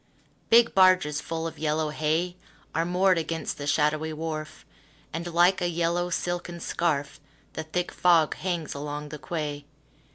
Big barges full of yellow hay Are moored against the shadowy wharf, And, like a yellow silken scarf, The thick fog hangs along the quay.